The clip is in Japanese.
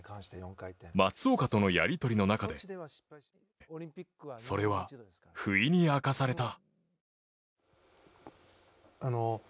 松岡とのやり取りの中でそれは不意に明かされた。